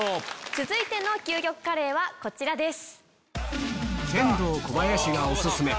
続いての究極カレーはこちらです。